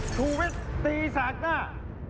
ชูวิทย์ตีแสกหน้า